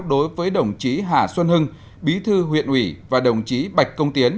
đối với đồng chí hà xuân hưng bí thư huyện ủy và đồng chí bạch công tiến